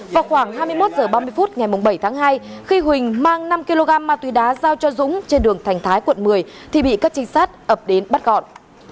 vào khoảng hai mươi một h ba mươi phút ngày bảy tháng hai khi huỳnh mang năm kg ma túy đá giao cho dũng trên đường thành thái quận một mươi thì bị các trinh sát ập đến bắt gọn